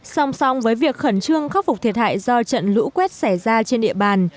song song với việc khẩn trương khắc phục thiệt hại do trận lũ quét xảy ra trên địa bàn